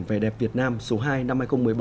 về đẹp việt nam số hai năm hai nghìn một mươi bảy